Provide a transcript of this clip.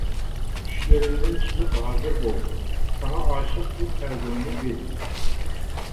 چۈشلىرىمدىن چىقىپ ھازىر بول، ساڭا ئاشىق بۇ قەلبىمنى بىل.